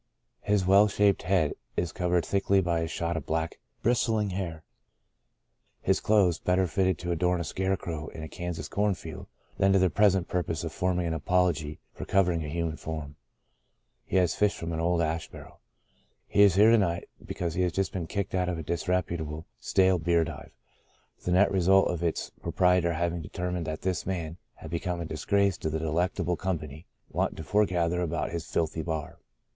His well shaped head is covered thickly by a shock of black, bris tling hair. His clothes — better fitted to adorn a scarecrow in a Kansas corn field than to their present purpose of forming an apology for covering a human form — he has fished from an old ash barrel. He is here to night, because he has just been kicked out of a dis reputable, stale beer dive, the net result of its proprietor having determined that this man had become a disgrace to the delectable company wont to foregather about his filthy bar.